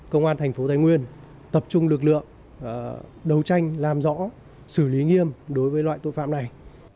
công an thành phố thái nguyên tập trung lực lượng đấu tranh làm rõ xử lý nghiêm đối với loại tội phạm này